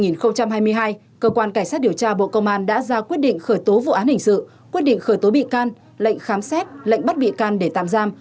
năm hai nghìn hai mươi hai cơ quan cảnh sát điều tra bộ công an đã ra quyết định khởi tố vụ án hình sự quyết định khởi tố bị can lệnh khám xét lệnh bắt bị can để tạm giam